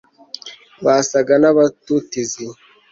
basaga n'abatutizi